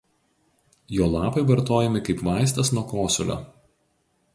Jo lapai vartojami kaip vaistas nuo kosulio.